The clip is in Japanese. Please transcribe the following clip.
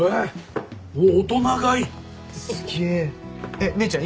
えっ姉ちゃん